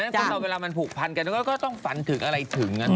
คนเราเวลามันผูกพันกันก็ต้องฝันถึงอะไรถึง